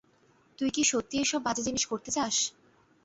তুই কি সত্যিই এসব বাজে জিনিস করতে চাস?